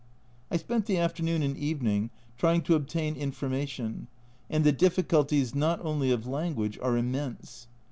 I spent the afternoon and evening trying to obtain information, and the difficulties, not only of language, are immense.